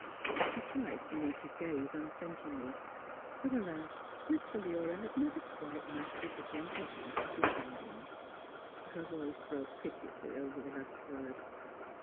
She tried to meet his gaze unflinchingly. But, alas! Miss Philura had never quite mastered the gentle art of dissembling. Her voice broke pite ously over the last word.